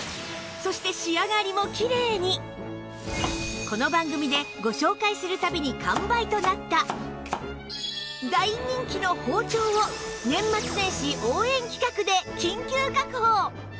そしてこの番組でご紹介する度に完売となった大人気の包丁を年末年始応援企画で緊急確保！